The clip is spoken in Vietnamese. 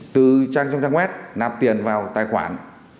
từ trang web nạp tiền vào tài khoản